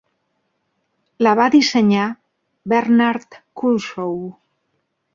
La va dissenyar Bernard Culshaw.